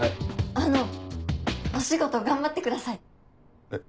あのお仕事頑張ってください！え？